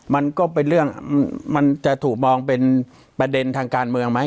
มันก็เป็นเรื่องมันจะถูกมองเป็นประเด็นทางการเมืองไหม